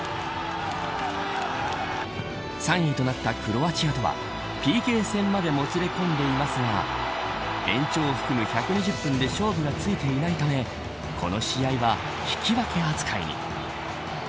３位となったクロアチアとはＰＫ戦までもつれ込んでいますが延長を含む１２０分で勝負がついていないためこの試合は引き分け扱いに。